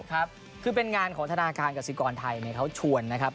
ครับคือเป็นงานของธนาคารกสิกรไทยเขาชวนนะครับ